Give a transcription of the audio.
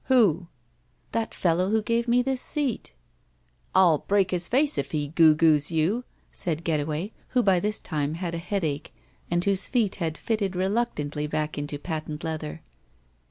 *'Who?" "That fellow who gave me this seat." "1*11 break his face if he goo goos you," said Getaway, who by this time had a headache and whose feet had fitted reluctantly back into patent leather.